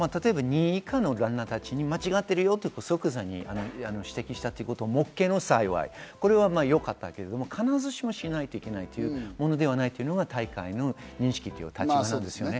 例えば２位以下の方たちに間違ってるよって即座に指摘したということは幸いよかったけれど、必ずしもしないといけないというものではないというのが大会の認識ですよね。